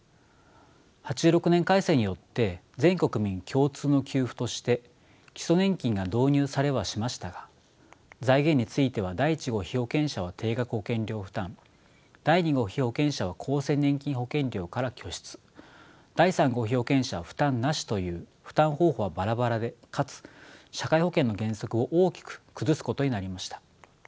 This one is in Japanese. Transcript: ８６年改正によって全国民共通の給付として基礎年金が導入されはしましたが財源については第１号被保険者は定額保険料負担第２号被保険者は厚生年金保険料から拠出第３号被保険者は負担なしという負担方法はバラバラでかつ社会保険の原則を大きく崩すことになりました。